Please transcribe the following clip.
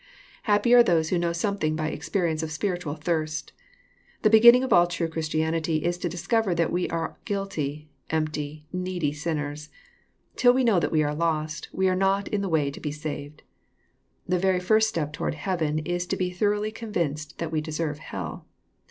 Happy are those who know something by experience of spiritual " thirst." The beginning of all true Christianity is to discover that we are guTTty, empty, needy sinners. Till we know that we are lost, we are not in the way to be saved. The very first step toward heaven is to be thor oughly convinced that we deserve hell.